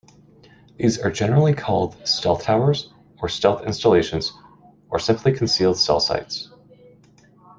These are generally called "stealth towers" or "stealth installations", or simply concealed cell sites.